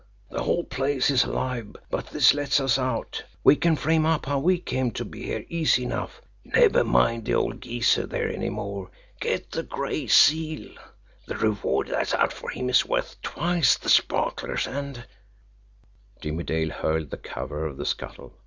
The whole place is alive, but this lets us out. We can frame up how we came to be here easy enough. Never mind the old geezer there any more! Get the Gray Seal the reward that's out for him is worth twice the sparklers, and " Jimmie Dale hurled the cover over the scuttle.